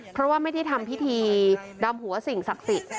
เพราะว่าไม่ได้ทำพิธีดำหัวสิ่งศักดิ์สิทธิ์